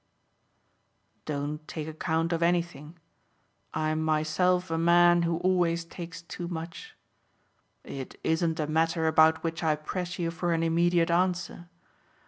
"Don't take account of anything I'm myself a man who always takes too much. It isn't a matter about which I press you for an immediate answer.